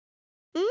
うん？